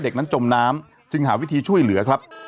เด็กนั้นจมน้ำจึงหาวิธีช่วยเหลือครับ